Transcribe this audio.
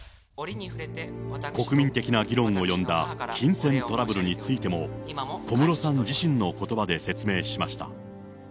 国民的な議論を呼んだ金銭トラブルについても、小室さん自身のことばで説明しました。